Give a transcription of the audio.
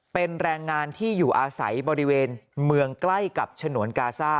เป็นแรงงานที่อยู่อาศัยบริเวณเมืองใกล้กับฉนวนกาซ่า